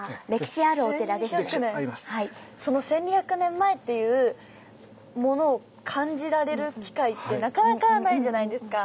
その１，２００年前っていうものを感じられる機会ってなかなかないじゃないですか。